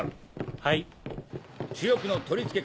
はい。